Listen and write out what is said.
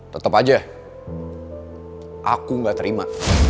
tetap aja aku gak terima